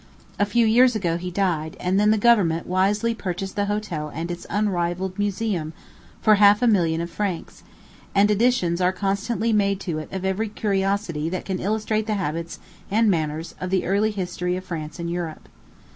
A few years ago, he died, and then the government wisely purchased the hotel and its unrivalled museum for half a million of francs; and additions are constantly made to it of every curiosity that can illustrate the habits and manners of the early history of France and Europe.